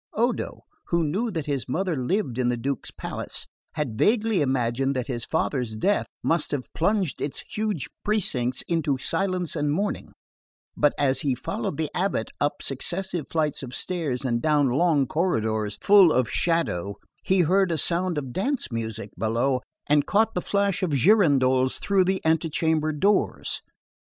Odo, who knew that his mother lived in the Duke's palace, had vaguely imagined that his father's death must have plunged its huge precincts into silence and mourning; but as he followed the abate up successive flights of stairs and down long corridors full of shadow he heard a sound of dance music below and caught the flash of girandoles through the antechamber doors.